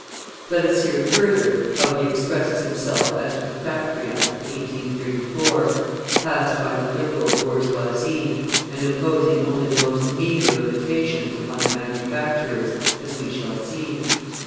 Let us hear further how he expresses himself as to the Factory Act of 1834, passed by the Liberal bourgeoisie, and imposing only the most meagre limitations upon the manufacturers, as we shall see.